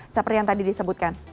seperti yang tadi disebutkan